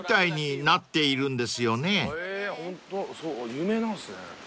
有名なんすね。